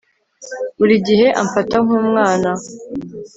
buri gihe amfata nkumwana